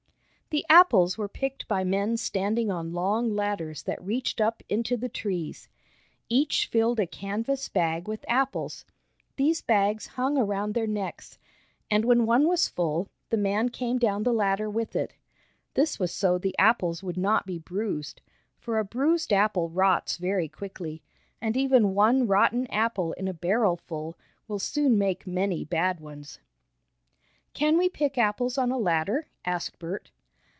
The apples were picked by men standing on long ladders that reached up into the trees. Each filled a canvas bag with apples. These bags hung around their necks, and when one was full, the man came down the ladder with it. This was so the apples would not be bruised, for a bruised apple rots very quickly, and even one rotten apple in a barrel full, will soon make many bad ones. "Can we pick apples on a ladder?" asked Bert.